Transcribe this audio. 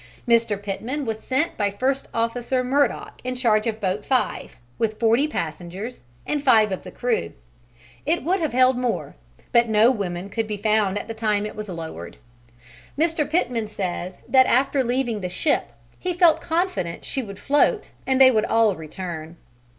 Mr. Pitman was sent by First Officer Murdock in charge of boat 5, with forty passengers and five of the crew. It would have held more, but no women could be found at the time it was lowered. Mr. Pitman says that after leaving the ship he felt confident she would float and they would all return.